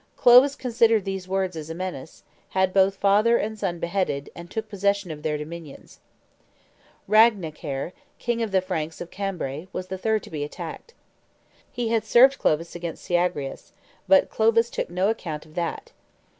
Clovis considered these words as a menace, had both father and son beheaded, and took possession of their dominions. Ragnacaire, king of the Franks of Cambrai, was the third to be attacked. He had served Clovis against Syagrins, but Clovis took no account of that.